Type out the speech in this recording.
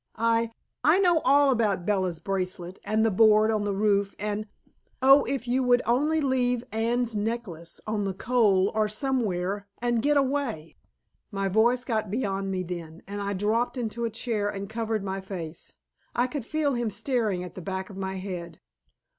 I I know all about Bella's bracelet and the board on the roof, and oh, if you would only leave Anne's necklace on the coal, or somewhere and get away " My voice got beyond me then, and I dropped into a chair and covered my face. I could feel him staring at the back of my head.